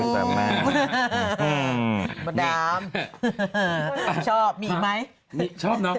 มาดามชอบมีอีกไหม